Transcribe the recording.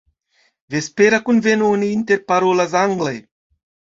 Vespera kunveno, oni interparolas angle.